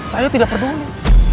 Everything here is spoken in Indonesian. saya tidak peduli